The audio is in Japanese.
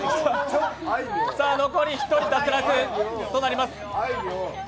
残り１人脱落となります。